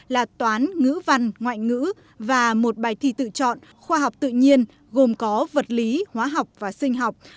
là toán ngữ văn ngoại ngữ và một bài thi tự chọn khoa học tự nhiên gồm có vật lý hóa học và sinh học